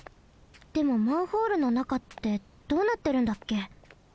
でもマンホールのなかってどうなってるんだっけ？